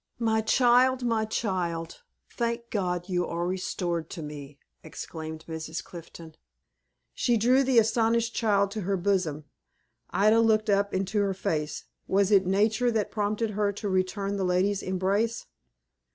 "My child, my child! Thank God, you are restored to me," exclaimed Mrs. Clifton. She drew the astonished child to her bosom. Ida looked up into her face. Was it Nature that prompted her to return the lady's embrace?